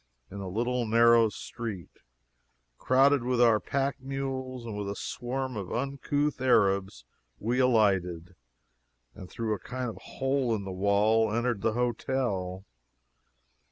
In a little narrow street, crowded with our pack mules and with a swarm of uncouth Arabs, we alighted, and through a kind of a hole in the wall entered the hotel.